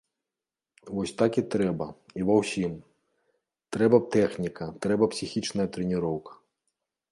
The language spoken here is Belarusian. Вось так трэба і ва ўсім, трэба тэхніка, трэба псіхічная трэніроўка.